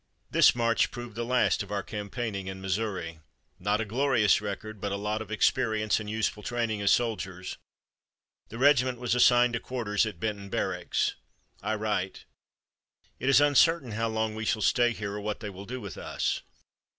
This march proved the last of our campaigning in Missouri. Not a glorious record, but a lot of experience and useful training as soldiers. The regiment was assigned to quarters at Benton Barracks. I write: "It is uncertain how long we shall stay here or what they will do with us.